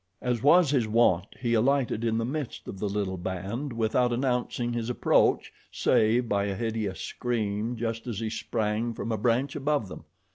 As was his wont, he alighted in the midst of the little band without announcing his approach save by a hideous scream just as he sprang from a branch above them.